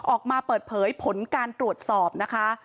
ออกมาเปิดเผยผลการตรวจสอบนะคะ